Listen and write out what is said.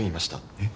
えっ？